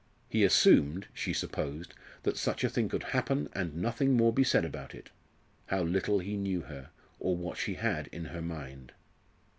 He assumed, she supposed, that such a thing could happen, and nothing more be said about it? How little he knew her, or what she had in her mind!